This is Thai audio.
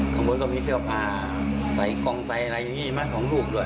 ข้างบนก็มีเสื้อผ้าใส่กล่องใส่อะไรอย่างนี้ไหมของลูกด้วย